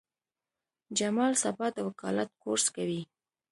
جمال سبا د وکالت کورس کوي.